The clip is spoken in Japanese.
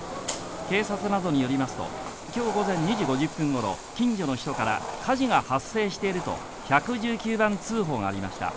警察などによりますと、今日午前２時５０分頃、近所の人から火事が発生していると１１９番通報がありました。